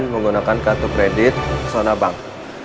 menggunakan kartu kredit sonabank